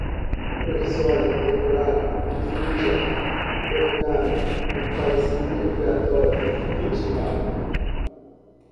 libelo, assistida, soberana, provisória, temporário, infrinja, revogada, comparecimento obrigatório, intimado